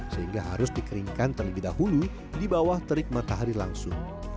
sehingga harus dikeringkan terlebih dahulu di bawah terik matahari langsung